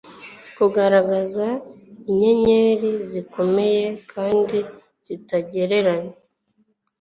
Kugaragaza inyenyeri zikomeye kandi zitagereranywa